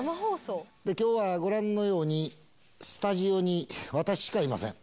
きょうはご覧のように、スタジオに私しかいません。